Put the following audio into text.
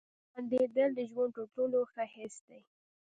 • خندېدل د ژوند تر ټولو ښه حس دی.